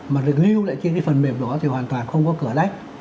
mà được lưu lại trên cái phần mềm đó thì hoàn toàn không có cửa lách